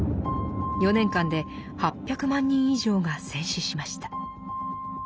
４年間で８００万人以上が戦死しました。